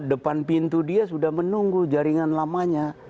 depan pintu dia sudah menunggu jaringan lamanya